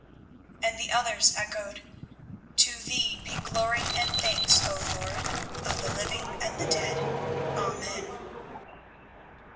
And the others echoed "To Thee be glory and thanks, O Lord of the living and the dead. Amen."